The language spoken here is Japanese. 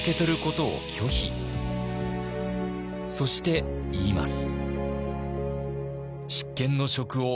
そして言います。